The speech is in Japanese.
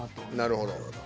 なるほど。